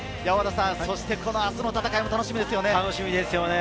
明日の戦いも楽しみですね。